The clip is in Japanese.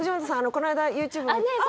この間ＹｏｕＴｕｂｅあっねえ